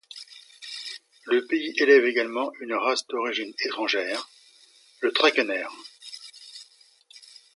Le pays élève également une race d'origine étrangère, le Trakehner.